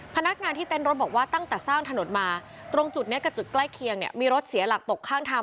พนักงานที่เต้นรถบอกว่าตั้งแต่สร้างถนนมาตรงจุดนี้กับจุดใกล้เคียงเนี่ยมีรถเสียหลักตกข้างทาง